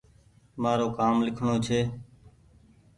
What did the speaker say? مآرو ڪآم ليکڻو ڇي